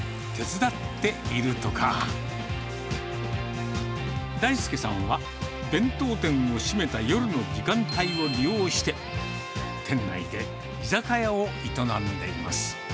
だいすけさんは、弁当店を閉めた夜の時間帯を利用して、店内で居酒屋を営んでいます。